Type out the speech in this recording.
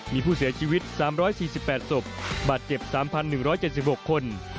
มีผู้เสียชีวิต๓๔๘ศพบาดเจ็บ๓๑๗๖คน